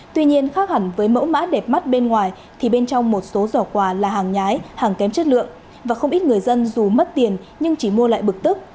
tuy nhiên khác hẳn với mẫu mã đẹp mắt bên ngoài thì bên trong một số giỏ quà là hàng nhái hàng kém chất lượng và không ít người dân dù mất tiền nhưng chỉ mua lại bực tức